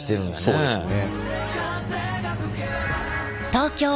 そうですね。